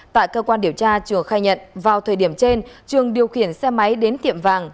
tại cơ quan điều tra trường khai nhận vào thời điểm trên trường điều khiển xe máy đến tiệm vàng